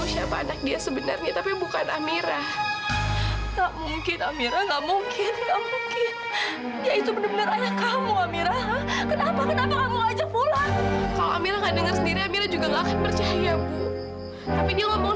sampai jumpa di video selanjutnya